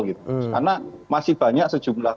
karena masih banyak sejumlah